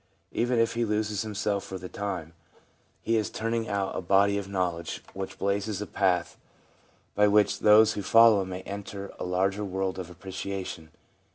Even if he loses himself for the time, he is turning out a body of knowledge which blazes a path io THE PSYCHOLOGY OF RELIGION by which those who follow him may enter a larger world of appreciation.